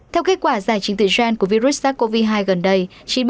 theo kết quả giải trình tự gen của virus sars cov hai gần đây